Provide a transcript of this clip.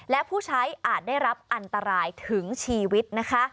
และผู้ใช้อาจได้รับอันตรายถึงชีวิตนะคะ